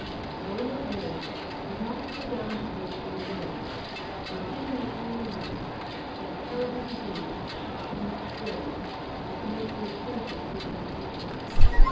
Eleanor Vane was not to go down to Berkshire alone. The beginning of her new life, that terrible beginning which she so much dreaded, was to make her acquainted with new people.